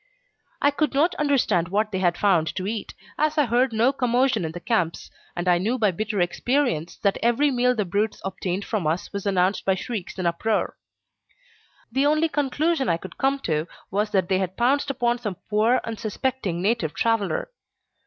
I could not understand what they had found to eat, as I had heard no commotion in the camps, and I knew by bitter experience that every meal the brutes obtained from us was announced by shrieks and uproar. The only conclusion I could come to was that they had pounced upon some poor unsuspecting native traveller.